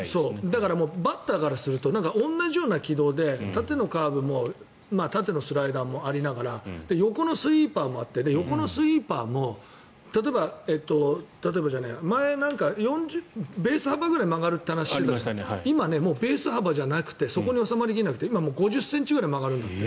だからバッターからすると同じような軌道で縦のカーブも縦のスライダーもありながら横のスイーパーもあって横のスイーパーも前、なんかベース幅ぐらい曲がるという話があったけど今、ベース幅じゃなくてそこに収まり切らなくて５０ｃｍくらい曲がる。